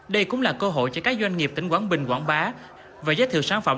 đây cũng là cơ hội cho các doanh nghiệp tỉnh quảng bình quảng bá và giới thiệu sản phẩm